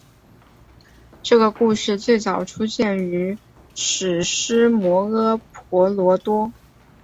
这个故事最早出现于史诗摩诃婆罗多。